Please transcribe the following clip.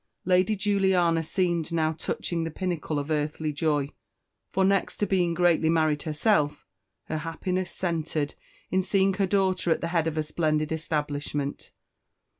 Lady Juliana seemed now touching the pinnacle of earthly joy; for, next to being greatly married herself, her happiness centred in seeing her daughter at the head of a splendid establishment.